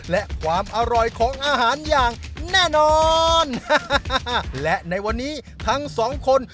และความอร่อยของอาหารอย่างแน่นอนและในวันนี้ทั้งสองคน